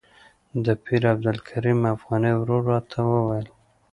د پیر عبدالکریم افغاني ورور راته وویل.